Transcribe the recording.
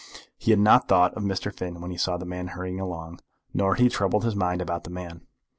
He had not thought of Mr. Finn when he saw the man hurrying along, nor had he troubled his mind about the man.